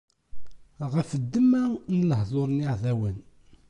Ɣef ddemma n lehdur n yiɛdawen.